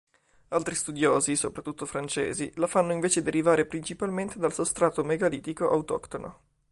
Altri studiosi, soprattutto francesi, la fanno invece derivare principalmente dal sostrato megalitico autoctono.